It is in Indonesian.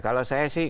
kalau saya sih